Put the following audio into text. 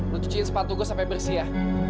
lu cuciin sepatu gue sampai bersih ya